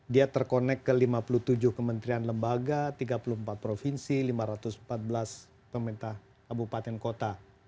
dia terkonek ke lima puluh tujuh kementerian lembaga tiga puluh empat provinsi lima ratus empat belas pemerintah kabupaten kota